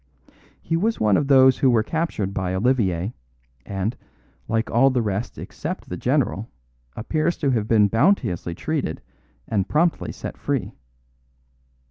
He was one of those who were captured by Olivier, and, like all the rest except the general, appears to have been bounteously treated and promptly set free.